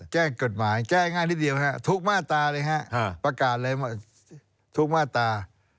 แก้กฎหมายแก้ง่ายนิดเดียวทุกมาตราเลยฮะประกาศเลยทุกมาตรา